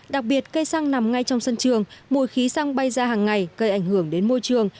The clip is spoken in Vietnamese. đặc biệt cây xăng nằm ngay trong sân trường mùi khí xăng bay ra hàng ngày gây ảnh hưởng đến môi trường